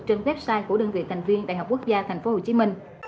trên website của đơn vị thành viên đại học quốc gia tp hcm